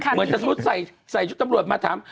เหมือนสมมุติใส่ชุดตำรวจมาถาม